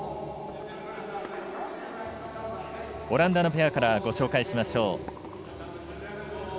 オランダのペアからご紹介しましょう。